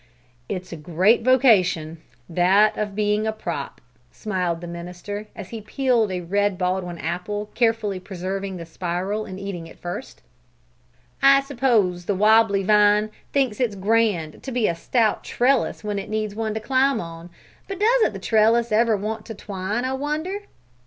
"It's a great vocation that of being a prop," smiled the minister, as he peeled a red Baldwin apple, carefully preserving the spiral and eating it first. "I suppose the wobbly vine thinks it's grand to be a stout trellis when it needs one to climb on, but doesn't the trellis ever want to twine, I wonder?"